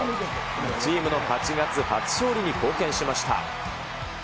チームの８月初勝利に貢献しました。